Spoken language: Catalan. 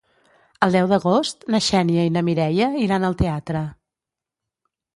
El deu d'agost na Xènia i na Mireia iran al teatre.